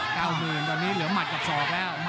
๙๐๐๐๐ตอนนี้เหลือหมัดกับสอบแล้ว